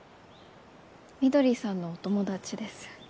翠さんのお友達です。